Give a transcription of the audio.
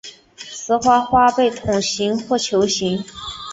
雌花花被筒形或球形。